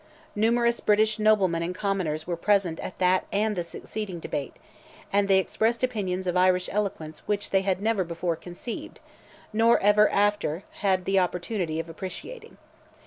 Numerous British noblemen and commoners were present at that and the succeeding debate, and they expressed opinions of Irish eloquence which they had never before conceived, nor ever after had an opportunity of appreciating.